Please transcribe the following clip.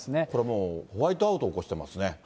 これもう、ホワイトアウト起こしてますね。